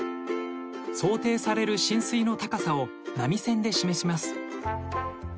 想定される浸水の高さを波線で示します。